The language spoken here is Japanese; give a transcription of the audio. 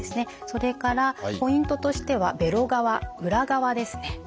それからポイントとしてはべろ側裏側ですね。